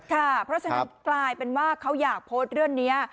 เพราะฉะนั้นกลายเป็นว่าเขาอยากโพสต์เรื่องนี้